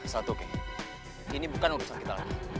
satu oke ini bukan urusan kita lagi